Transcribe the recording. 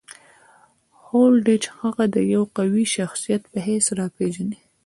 هولډیچ هغه د یوه قوي شخصیت په حیث راپېژني.